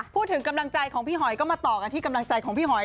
พูดถึงกำลังใจของพี่หอยก็มาต่อกันที่กำลังใจของพี่หอย